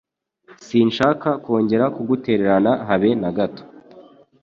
Sinshaka kongera kugutererana habe nagato.